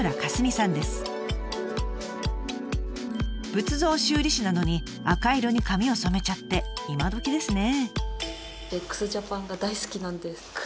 仏像修理師なのに赤色に髪を染めちゃっていまどきですね！